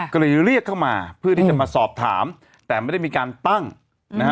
ก็เลยเรียกเข้ามาเพื่อที่จะมาสอบถามแต่ไม่ได้มีการตั้งนะฮะ